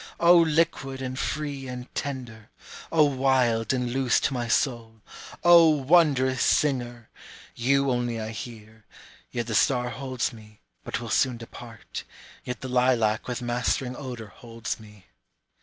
O liquid and free and tender! O wild and loose to my soul O wondrous singer! You only I hear yet the star holds me (but will soon depart), Yet the lilac with mastering odor holds me.